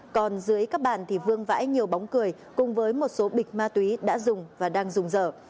còn dưới các bàn thì vương vãi nhiều bóng cười cùng với một số bịch ma túy đã dùng và đang dùng dở